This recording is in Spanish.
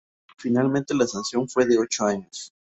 Finalmente la sanción fue de ocho años.